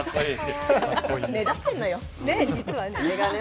目立ってんのよ、実はね。